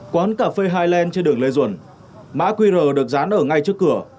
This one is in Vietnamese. quán cà phê highland trên đường lê duẩn mã qr được dán ở ngay trước cửa